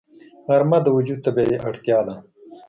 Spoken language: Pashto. غرمه د وجود طبیعي اړتیا ده